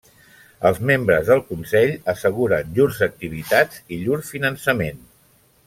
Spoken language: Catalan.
Els membres del consell asseguren llurs activitats i llur finançament.